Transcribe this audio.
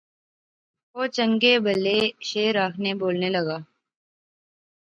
او چنگے بھلے شعر آخنے بولنا لاغا